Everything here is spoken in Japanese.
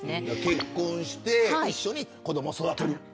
結婚して一緒に子どもを育てる。